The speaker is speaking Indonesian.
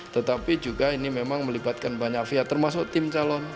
tetapi juga ini memang melibatkan banyak pihak termasuk tim calon